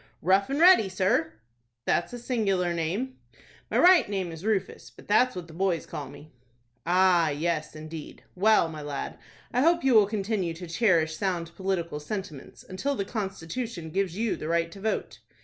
"Rough and Ready, sir." "That's a singular name." "My right name is Rufus; but that's what the boys call me." "Ah, yes, indeed. Well, my lad, I hope you will continue to cherish sound political sentiments until the constitution gives you the right to vote."